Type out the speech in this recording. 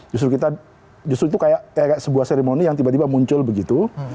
justru kita justru itu kayak sebuah seremoni yang tiba tiba muncul begitu